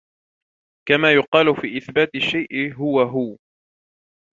كَمَا يُقَالُ فِي إثْبَاتِ الشَّيْءِ هُوَ هُوَ